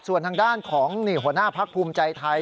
ส่วนทางด้านของหัวหน้าพักภูมิใจไทย